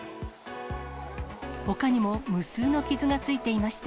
ほかにも無数の傷がついていました。